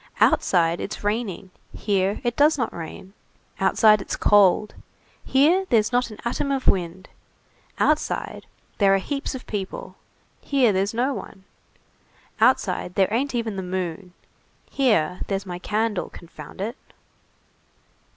Outside it's raining, here it does not rain; outside it's cold, here there's not an atom of wind; outside there are heaps of people, here there's no one; outside there ain't even the moon, here there's my candle, confound it!"